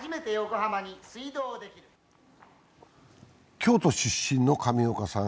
京都出身の上岡さん